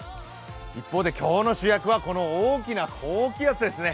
一方で今日の主役はこの大きな高気圧ですよね。